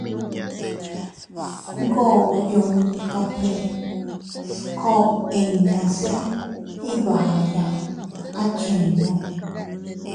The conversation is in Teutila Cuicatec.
Sngoo yunni café skoʼo inña se iyvaya achinnu.